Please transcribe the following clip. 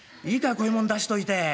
こういうもん出しといて。